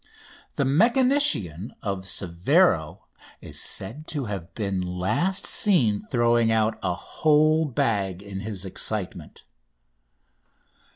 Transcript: The mechanician of Severo is said to have been last seen throwing out a whole bag in his excitement.